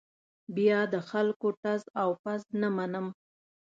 بیا د خلکو ټز او پز نه منم.